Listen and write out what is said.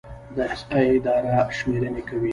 د احصایې اداره شمیرنې کوي